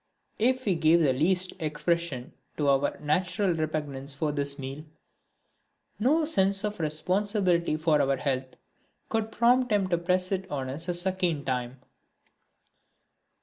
If we gave the least expression to our natural repugnance for this meal, no sense of responsibility for our health could prompt him to press it on us a second time.